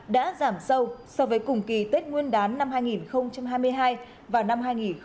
đã giảm sâu so với cùng kỳ tết nguyên đán năm hai nghìn hai mươi hai và năm hai nghìn hai mươi hai